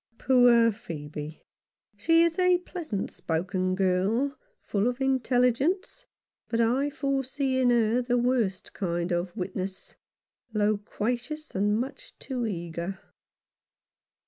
Poor Phcebe ! She is a pleasant spoken girl, full of intelligence, but I foresee in her the worst kind of witness — loquacious, and much too eager.